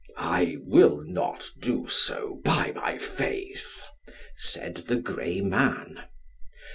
"I will not do so, by my faith," said the grey man.